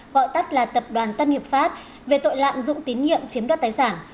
gọi tắt là tập đoàn tân hiệp pháp về tội lạm dụng tín nhiệm chiếm đoạt tài sản